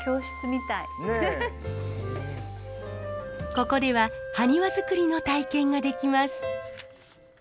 ここではハニワ作りの体験ができます。